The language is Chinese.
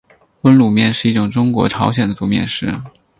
温卤面是一种中国朝鲜族面食。